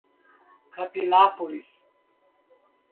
Campinápolis